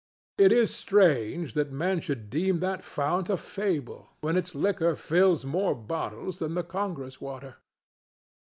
It is strange that men should deem that fount a fable, when its liquor fills more bottles than the Congress water.